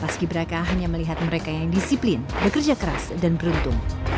salam dong ke pacarnya